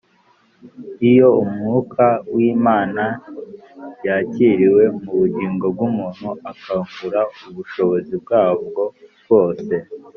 iyo mwuka w’imana yakiriwe mu bugingo bw’umuntu, akangura ubushobozi bwabwo bwose